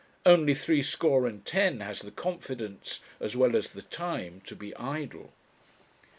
Only three score and ten has the confidence, as well as the time, to be idle.